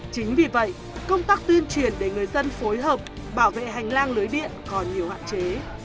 chính vì vậy công tác tuyên truyền để người dân phối hợp bảo vệ hành lang lưới điện còn nhiều hạn chế